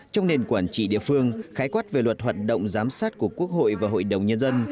trong nền quản trị địa phương khái quát về luật hoạt động giám sát của quốc hội và hội đồng nhân dân